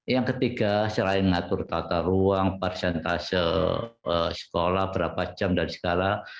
yang ketiga selain mengatur tata ruang persentase sekolah berapa jam dan segala